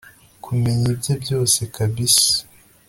kumenya ibye byose kabisa